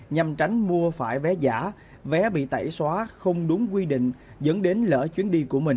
nhằm tránh mua phải vé giả vé bị tẩy xóa không đúng quy định dẫn đến lỡ chuyến đi của mình